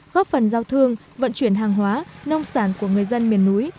góp phần giao thương vận chuyển hàng hóa nông sản của người dân miền núi